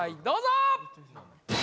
どうぞ！